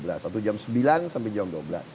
satu jam sembilan sampai jam dua belas